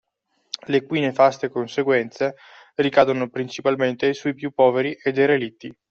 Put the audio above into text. Le cui nefaste conseguenze ricadono principalmente sui più poveri e derelitti.